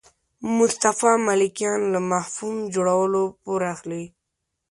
مصطفی ملکیان له مفهوم جوړولو پور اخلي.